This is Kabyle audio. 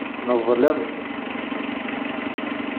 Neḍlem.